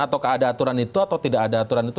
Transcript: ataukah ada aturan itu atau tidak ada aturan itu